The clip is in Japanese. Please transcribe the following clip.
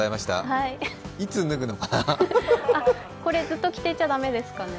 これ、ずっと着ていちゃ駄目ですかね？